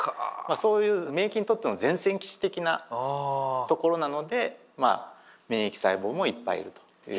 そういう免疫にとっての前線基地的なところなのでまあ免疫細胞もいっぱいいると。